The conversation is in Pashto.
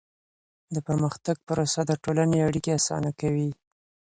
د پرمختګ پروسه د ټولني اړیکي اسانه کوي.